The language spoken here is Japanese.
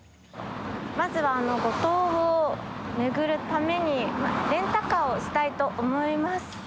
まずは五島を巡るためにレンタカーをしたいと思います。